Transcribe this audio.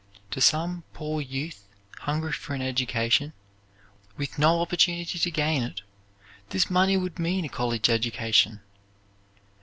To some poor youth hungry for an education, with no opportunity to gain it, this money would mean a college education.